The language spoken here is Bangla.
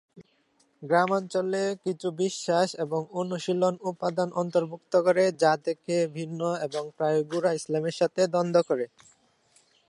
গ্রামাঞ্চলে কিছু বিশ্বাস এবং অনুশীলন উপাদান অন্তর্ভুক্ত করে যা থেকে ভিন্ন এবং প্রায়ই গোড়া ইসলামের সাথে দ্বন্দ্ব করে।